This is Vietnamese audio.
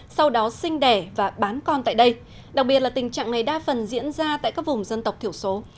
sau đó sinh đẻ và bán con tại đây đặc biệt là tình trạng này đa phần diễn ra tại các vùng dân tộc thiểu số